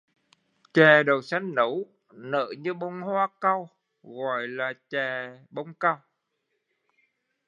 Chè đậu xanh nấu nở như hoa cau, gọi là chè bông cau